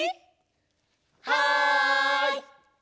はい！